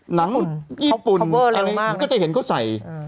หนังญี่ปุ่นก็จะเห็นเขาใส่